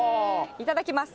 いただきます。